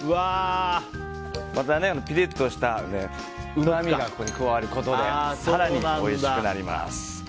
ピリッとしたうまみがここに加わることで更においしくなります。